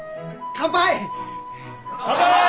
乾杯！